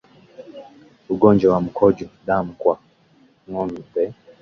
Ugonjwa wa mkojo damu kwa ngombe